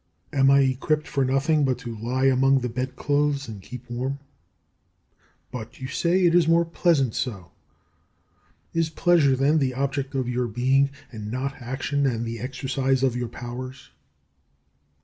Am I equipped for nothing but to lie among the bed clothes and keep warm? "But," you say, "it is more pleasant so." Is pleasure, then, the object of your being, and not action, and the exercise of your powers?